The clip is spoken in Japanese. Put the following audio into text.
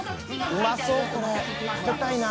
うまそうこれ食べたいな。